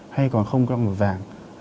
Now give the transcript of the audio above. hay còn không trong giờ vàng